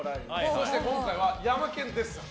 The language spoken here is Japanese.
そして今回はヤマケン・デッサン。